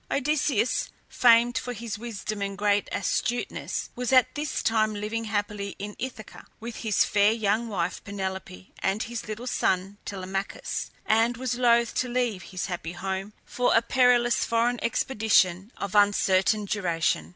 Odysseus, famed for his wisdom and great astuteness, was at this time living happily in Ithaca with his fair young wife Penelope and his little son Telemachus, and was loath to leave his happy home for a perilous foreign expedition of uncertain duration.